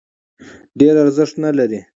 ډېر ارزښت نه لري.